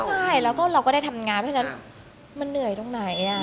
ใช่แล้วก็เราก็ได้ทำงานเพราะฉะนั้นมันเหนื่อยตรงไหน